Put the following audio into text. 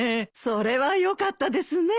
それはよかったですね。